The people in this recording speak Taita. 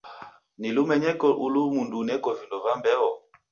Ni lumenyoki ulu mundu uneko vindo va mbeo?